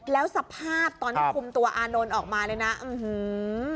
แล้วสภาพตอนที่คุมตัวอานนท์ออกมาเลยนะอื้อหือ